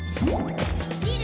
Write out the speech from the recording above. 「みる！